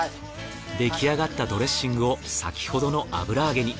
出来上がったドレッシングを先ほどの油揚げに。